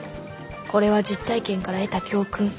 これは実体験から得た教訓。